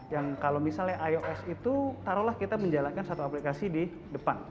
yang kalau misalnya ios itu taruhlah kita menjalankan satu aplikasi di depan